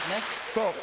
そう。